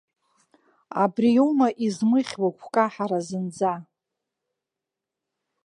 Абри иоума измыхьуа гәкаҳара зынӡа?